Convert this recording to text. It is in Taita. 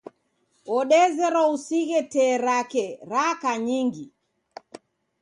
Wodezerwa usighe tee rake raka nyingi.